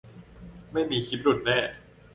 ไม่มีคลิปหลุดแน่